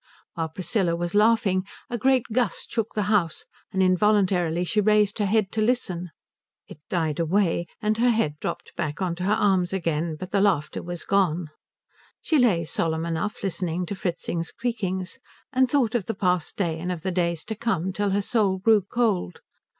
While Priscilla was laughing a great gust shook the house, and involuntarily she raised her head to listen. It died away, and her head dropped back on to her arms again, but the laughter was gone. She lay solemn enough, listening to Fritzing's creakings, and thought of the past day and of the days to come till her soul grew cold.